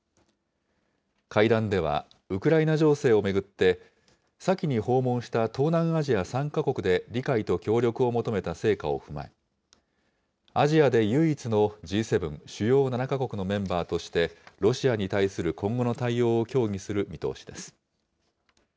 会談では、ウクライナ情勢を巡って、先に訪問した東南アジア３か国で理解と協力を求めた成果を踏まえ、アジアで唯一のＧ７・主要７か国のメンバーとして、ロシアに対する今後の対応を協議する見通しです。